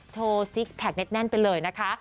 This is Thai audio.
โชว์ซิชแพลกแน่นไปเลยนะคะ